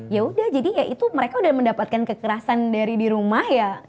ya udah jadi ya itu mereka udah mendapatkan kekerasan dari di rumah ya